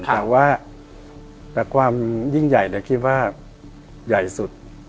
แต่ว่ายิ่งใหญ่คิดว่าใหญ่สุด